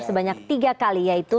sebanyak tiga kali yaitu